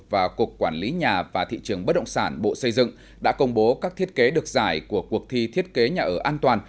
và cục quản lý nhà và thị trường bất động sản bộ xây dựng đã công bố các thiết kế được giải của cuộc thi thiết kế nhà ở an toàn